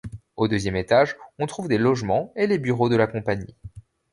Au deuxième étage on trouve des logements et les bureaux de la compagnie.